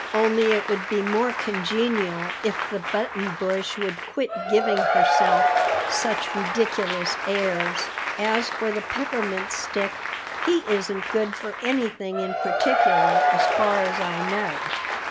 "Only it would be more congenial if the Button Bush would quit giving herself such ridiculous airs. As for the Peppermint Stick, he isn't good for anything in particular as far as I know.